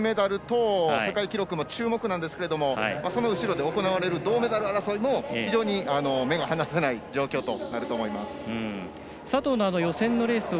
なので、金メダルと世界記録も注目なんですけどその後ろで行われる銅メダル争いも非常に目が離せない状況になると思います。